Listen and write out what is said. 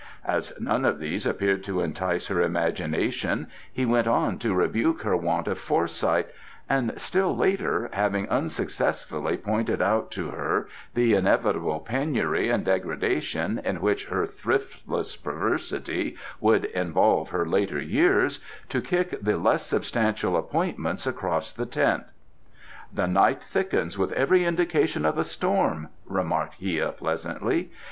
As none of these appeared to entice her imagination, he went on to rebuke her want of foresight, and, still later, having unsuccessfully pointed out to her the inevitable penury and degradation in which her thriftless perversity would involve her later years, to kick the less substantial appointments across the tent. "The night thickens, with every indication of a storm," remarked Hia pleasantly.